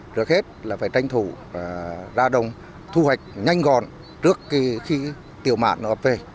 trước hết là phải tranh thủ ra đồng thu hoạch nhanh gọn trước khi tiểu mạng nó về